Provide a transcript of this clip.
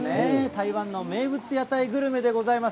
台湾の名物屋台グルメでございます。